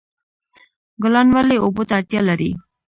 ګلان ولې اوبو ته اړتیا لري؟